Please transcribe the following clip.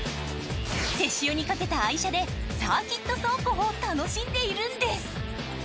手塩にかけた愛車でサーキット走行を楽しんでいるんです。